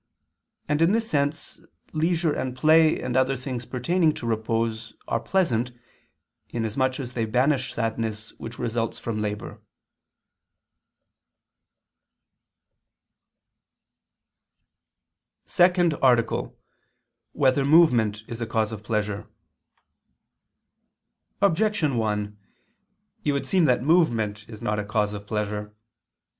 And in this sense, leisure and play and other things pertaining to repose, are pleasant, inasmuch as they banish sadness which results from labor. ________________________ SECOND ARTICLE [I II, Q. 32, Art. 2] Whether Movement Is a Cause of Pleasure? Objection 1: It would seem that movement is not a cause of pleasure.